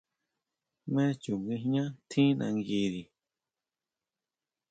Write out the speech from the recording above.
¿Jmé chu nguijñá tjín nanguiri?